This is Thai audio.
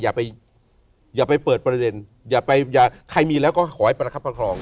อย่าไปอย่าไปเปิดประเด็นอย่าไปอย่าใครมีแล้วก็ขอให้ประคับประคอง